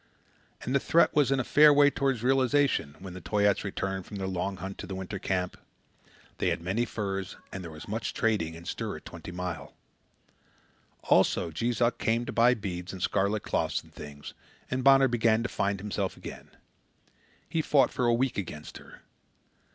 And the threat was in a fair way toward realization, when the Toyaats returned from their long hunt to the winter camp. They had many furs, and there was much trading and stir at Twenty Mile. Also, Jees Uck came to buy beads and scarlet cloths and things, and Bonner began to find himself again. He fought for a week against her.